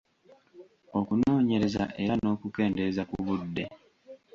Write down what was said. Okunoonyereza era n’okukendeeza ku budde.